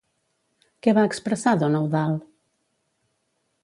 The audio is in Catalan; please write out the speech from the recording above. Què va expressar don Eudald?